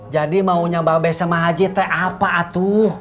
jadi mau nyambang besa pak aji teh apa atuh